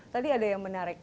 tadi ada yang menarik